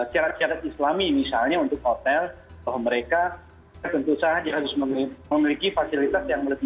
syarat syarat islami misalnya untuk hotel bahwa mereka tentu saja harus memiliki fasilitas yang lebih